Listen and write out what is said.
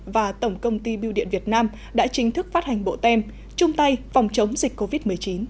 và tổng công ty biêu điện việt nam đã chính thức phát hành bộ tem chung tay phòng chống dịch covid một mươi chín